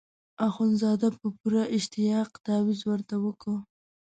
اخندزاده په پوره اشتیاق تاویز ورته وکیښ.